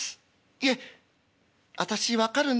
いえ私分かるんです。